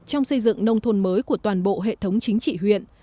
trong xây dựng nông thôn mới của toàn bộ hệ thống chính trị huyện